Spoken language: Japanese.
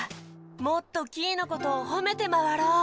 もっとキイのことをほめてまわろう！